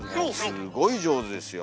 すごい上手ですよ。